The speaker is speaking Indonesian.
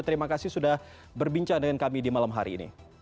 terima kasih sudah berbincang dengan kami di malam hari ini